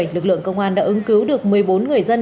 lực lượng công an đã ứng cứu được một mươi bốn người dân